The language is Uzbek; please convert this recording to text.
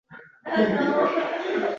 Tijorat bankidan kredit olmoqchiman.